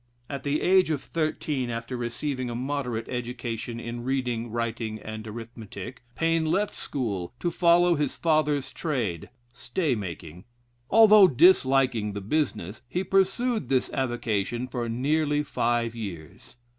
At the age of thirteen, after receiving a moderate education in reading, writing, and arithmetic, Paine left school, to follow his father's trade (stay making.) Although disliking the business, he pursued this avocation for nearly five years.